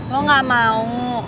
lo gak mau